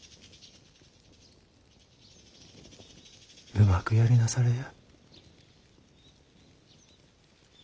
うまくやりなされや。